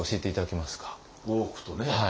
大奥とね。